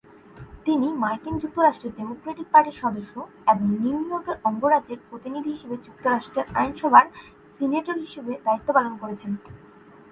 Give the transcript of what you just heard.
তিনি মার্কিন যুক্তরাষ্ট্রের ডেমোক্র্যাটিক পার্টির সদস্য, এবং নিউ ইয়র্ক অঙ্গরাজ্যের প্রতিনিধি হিসাবে যুক্তরাষ্ট্রের আইনসভার সিনেটর হিসাবে দায়িত্ব পালন করছেন।